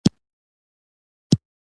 د قدرت انډول بدل شوی دی.